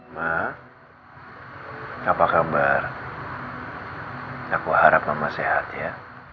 mama apa kabar aku harap mama sehat ya